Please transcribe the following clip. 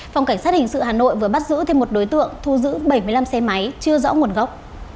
phòng cảnh sát hình sự hà nội vừa bắt giữ thêm một đối tượng thu giữ bảy mươi năm xe máy chưa rõ nguồn gốc